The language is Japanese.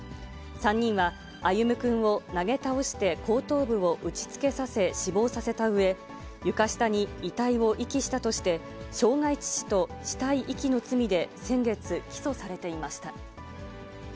３人は、歩夢くんを投げ倒して後頭部を打ちつけさせ、死亡させたうえ、床下に遺体を遺棄したとして、傷害致死と死体遺棄の罪で先月、起訴されていました。